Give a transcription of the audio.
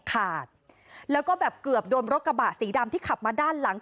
ขาดแล้วก็แบบเกือบโดนรถกระบะสีดำที่ขับมาด้านหลัง